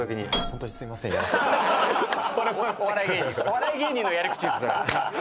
お笑い芸人のやり口ですそれ。